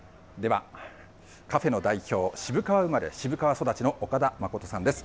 ではカフェの代表、渋川生まれ、渋川育ちの岡田誠さんです。